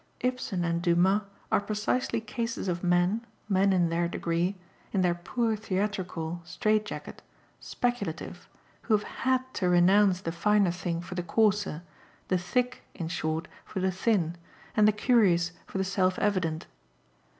Ibsen and Dumas are precisely cases of men, men in their degree, in their poor theatrical straight jacket, speculative, who have HAD to renounce the finer thing for the coarser, the thick, in short, for the thin and the curious for the self evident.